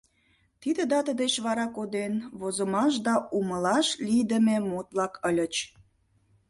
Тиде дате деч вара коден возымаш да умылаш лийдыме мут-влак ыльыч.